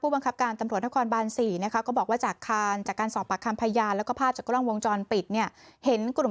เพราะว่าเด็กวัยลุ้นเราก็ต้องเข้าใจตรงนี้ถูกไหม